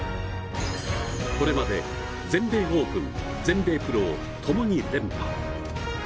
これまで全米オープン、全米プロをともに連覇。